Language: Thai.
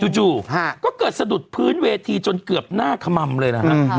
จู่ก็เกิดสะดุดพื้นเวทีจนเกือบหน้าขม่ำเลยนะฮะ